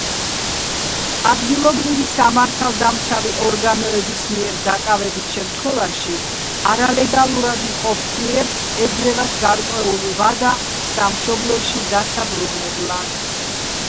ადგილობრივი სამართალდამცავი ორგანოების მიერ დაკავების შემთხვევაში არალეგალურად მყოფ პირებს ეძლევათ გარკვეული ვადა სამშობლოში დასაბრუნებლად.